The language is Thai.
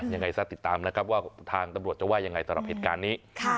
ยังไงซะติดตามนะครับว่าทางตำรวจจะว่ายังไงสำหรับเหตุการณ์นี้